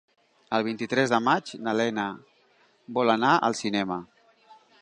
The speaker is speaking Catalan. El vint-i-tres de maig na Lena vol anar al cinema.